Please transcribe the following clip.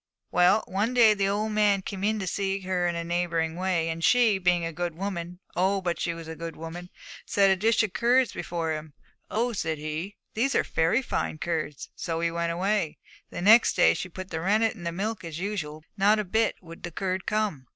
'Well, one day the old man came in to see her in a neighbouring way, and she, being a good woman, oh, but she was a good woman! set a dish of curds before him. "Oh," said he, "these are very fine curds!" So he went away, and next day she put the rennet in the milk as usual, but not a bit would the curd come.